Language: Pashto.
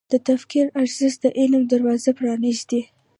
د تفکر ارزښت د علم دروازه پرانیزي.